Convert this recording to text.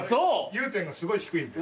融点がすごい低いんで。